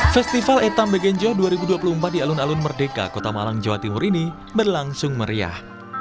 festival etam begenjo dua ribu dua puluh empat di alun alun merdeka kota malang jawa timur ini berlangsung meriah